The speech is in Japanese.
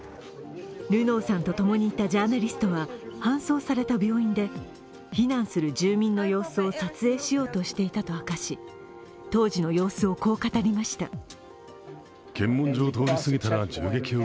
ルノーさんと共にいたジャーナリストは搬送された病院で避難する住民の様子を撮影しようとしていたと明かし当時の様子をこう語りました。